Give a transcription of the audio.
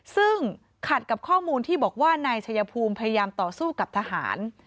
ซึ่งขัดกับข้อมูลที่บอกว่านายชัยภูมิพยายามต่อสู้กับทหาร